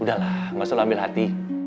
udah lah ga usah lu ambil hati